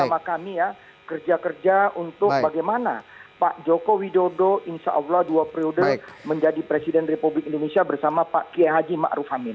bersama kami ya kerja kerja untuk bagaimana pak joko widodo insya allah dua periode menjadi presiden republik indonesia bersama pak kiai haji ⁇ maruf ⁇ amin